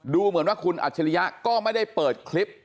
ดูเหมือนว่าคุณอัจฉริยะก็ไม่ได้เปิดคลิป